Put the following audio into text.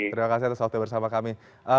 terima kasih atas waktu bersama kami